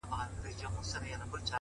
په دې وطن کي به نو څنگه زړه سوری نه کوي”